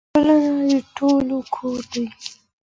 ټولنه د ټولو کور دی.